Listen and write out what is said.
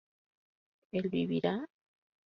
¿él vivirá?